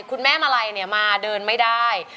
คุณแม่มาลัยมาเดินไม่ได้